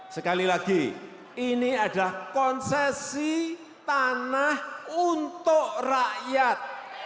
sekali lagi ini adalah konsesi tanah untuk rakyat